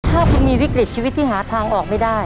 ถ้าคุณมีวิกฤตชีวิตที่หาทางออกไม่ได้